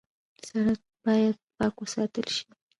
سړک باید پاک وساتل شي.